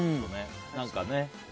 何かね。